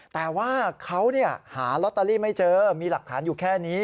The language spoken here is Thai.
แต่ว่าเขาหาลอตเตอรี่ไม่เจอมีหลักฐานอยู่แค่นี้